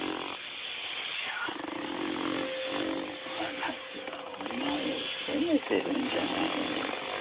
私はお前を責めてるんじゃないよ。